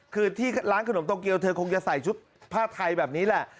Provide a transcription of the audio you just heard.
คือที่ร้านขนมโตเกียวเธอคงจะใส่ชุดผ้าไทยแบบนี้แหละ